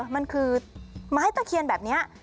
มันคือไม้ตะเคียนแบบนี้